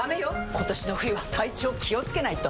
今年の冬は体調気をつけないと！